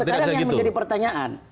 sekarang yang menjadi pertanyaan